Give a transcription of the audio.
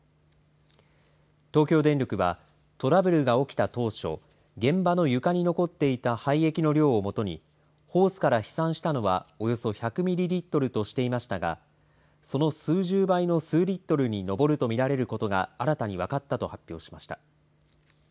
東京電力はトラブルが起きた当初現場の床に残っていた廃液の量をもとにホースから飛散したのはおよそ１００ミリリットルとしていましたがその数十倍の数リットルに上ると見られることが新たに分かったと発表しました。